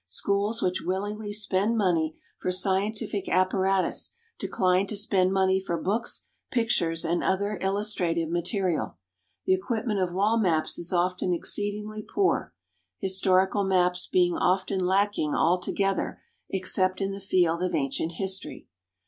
Schools which willingly spend money for scientific apparatus decline to spend money for books, pictures, and other illustrative material. The equipment of wall maps is often exceedingly poor, historical maps being often lacking altogether except in the field of ancient history.